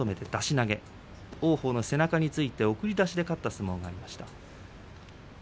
そして王鵬の背中について送り出して勝ったという一番がありました。